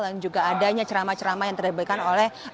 dan juga adanya ceramah ceramah yang terdapatkan oleh